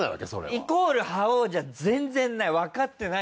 イコール覇王じゃ全然ない。